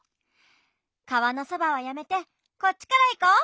川のそばはやめてこっちからいこう。